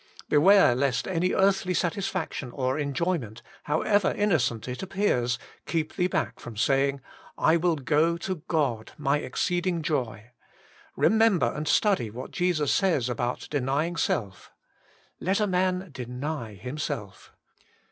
Beware lest any earthly satisfaction or enjoyment, however innocent it appears, keep thee back from saying, ' I will go to God, my exceeding joy.' Kemember and study what Jesus says about denying self, * Let a man deny himself.'